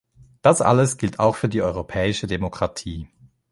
Das alles gilt auch für die europäische Demokratie.